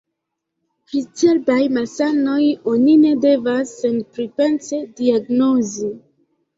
Pri cerbaj malsanoj oni ne devas senpripense diagnozi.